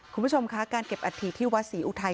คุณผู้ชมคะการเก็บอัฐิที่วัดศรีอุทัย